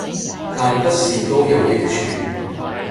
但不是都有益處